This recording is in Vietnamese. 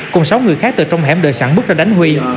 cùng sáu người khác từ trong hẻm đợi sẵn bước ra đánh huy